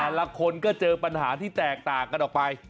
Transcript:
ละคนก็เจอปัญหาที่แตกต่างกันออกไป